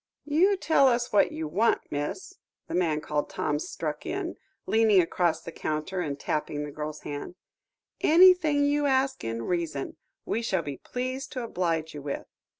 "You tell us what you want, miss," the man called Tom struck in, leaning across the counter, and tapping the girl's hand; "anything you ask in reason we shall be pleased to oblige you with.